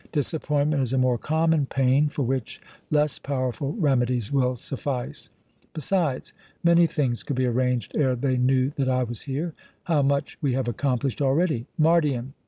Disappointment is a more common pain, for which less powerful remedies will suffice. Besides, many things could be arranged ere they knew that I was here. How much we have accomplished already, Mardion!